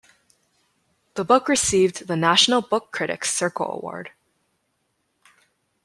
The book received the National Book Critics Circle Award.